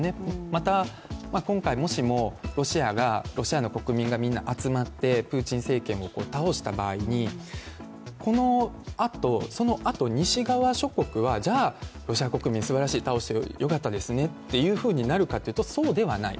また、今回、もしもロシアの国民がみんな集まってプーチン政権を倒した場合にそのあと西側諸国は、じゃあロシア国民すばらしい倒してよかったですねというふうになるかというと、そうではない。